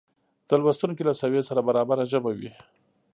د لوستونکې له سویې سره برابره ژبه وي